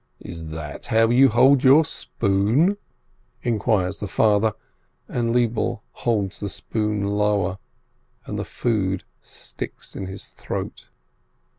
"Is that how you hold your spoon?" inquires the father, and Lebele holds the spoon lower, and the food sticks in his throat.